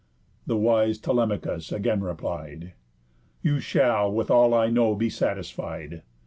The wise Telemachus again replied: "You shall with all I know be satisfied.